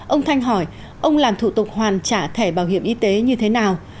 ông thanh hỏi ông làm thủ tục hoàn trả thẻ bảo hiểm y tế như thế nào